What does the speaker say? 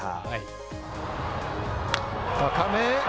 高め。